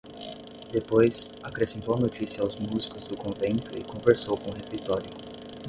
Depois, acrescentou a notícia aos músicos do convento e conversou com o refeitório.